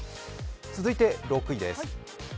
続いて６位です。